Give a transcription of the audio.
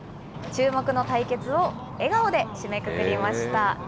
注目の対決を笑顔で締めくくりました。